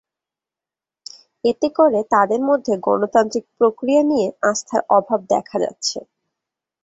এতে করে তাঁদের মধ্যে গণতান্ত্রিক প্রক্রিয়া নিয়ে আস্থার অভাব দেখা যাচ্ছে।